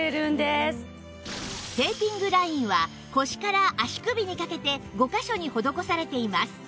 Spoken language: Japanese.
テーピングラインは腰から足首にかけて５カ所に施されています